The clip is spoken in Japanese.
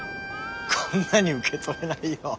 こんなに受け取れないよ。